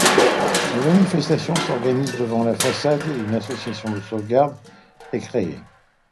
Des manifestations s’organisent devant la façade et une association de sauvegarde est créée.